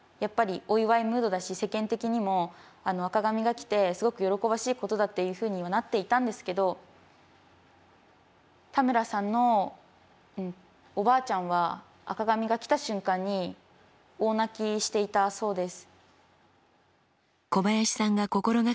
世間的にも赤紙が来てすごく喜ばしいことだっていうふうにはなっていたんですけど田村さんのおばあちゃんは赤紙が来た瞬間に大泣きしていたそうです。